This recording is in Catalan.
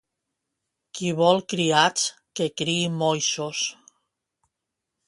Qui vol criats, que criï moixos.